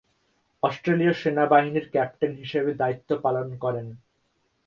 অস্ট্রেলীয় সেনাবাহিনীর ক্যাপ্টেন হিসেবে দায়িত্ব পালন করেন।